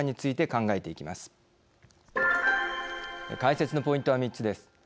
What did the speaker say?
解説のポイントは３つです。